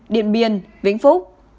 biên vĩnh phúc